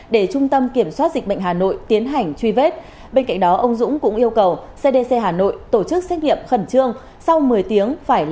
để trung tâm kiểm soát dịch bệnh hà nội